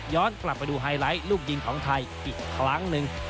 กลับไปดูไฮไลท์ลูกยิงของไทยอีกครั้งหนึ่ง